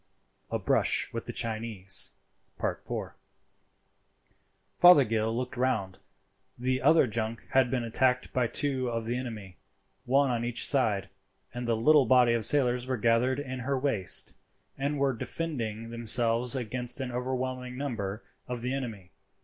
A BRUSH WITH THE CHINESE.—IV. Fothergill looked round. The other junk had been attacked by two of the enemy, one on each side, and the little body of sailors were gathered in her waist, and were defending themselves against an overwhelming number of the enemy.